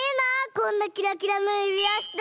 こんなキラキラのゆびわして。